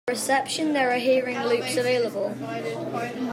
From the reception there are hearing loops available.